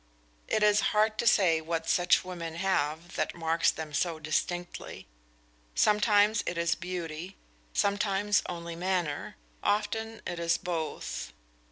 It is hard to say what such women have that marks them so distinctly; sometimes it is beauty, sometimes only a manner, often it is both.